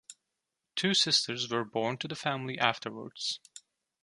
Two sisters were born to the family afterwards.